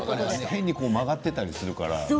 変に曲がっていたりするからね。